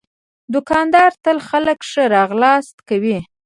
دوکاندار تل خلک ښه راغلاست کوي.